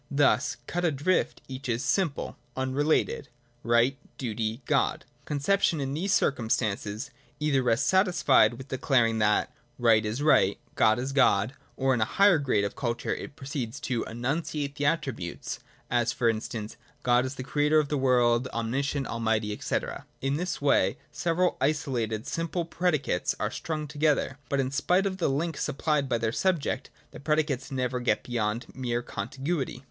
Thus cut adrift, each is simple, unrelated : Right, Duty, God. Concep tion in these circumstances either rests satisfied with declaring that Right is Right, God is God : or in a higher grade of culture, it proceeds to enunciate the attributes ; as, for instance, God is the Creator of the world, omniscient, almighty, &c. In this way several isolated, simple predicates are strung together : but in spite of the hnk supplied by their subject, the predicates gg PRELIMINARY NOTION. L"" never get beyond mere contiguity.